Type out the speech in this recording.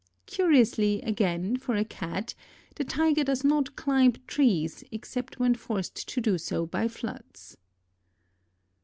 Curiously, again, for a cat, the Tiger does not climb trees except when forced to do so by floods.